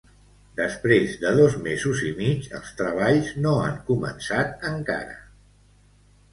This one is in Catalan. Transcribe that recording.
Després de dos mesos i mig els treballs no han començat encara.